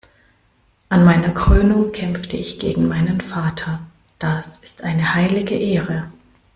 An meiner Krönung kämpfte ich gegen meinen Vater. Das ist eine heilige Ehre.